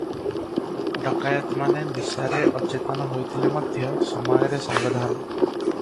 ଡକାଏତମାନେ ନିଶାରେ ଅଚେତନ ହୋଇଥିଲେ ମଧ୍ୟ ସମୟରେ ସାବଧାନ ।